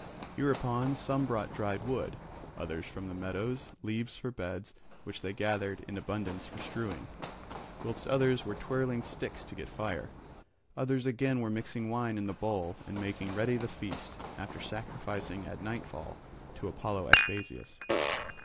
Hereupon some brought dried wood, others from the meadows leaves for beds which they gathered in abundance for strewing, whilst others were twirling sticks to get fire; others again were mixing wine in the bowl and making ready the feast, after sacrificing at nightfall to Apollo Ecbasius.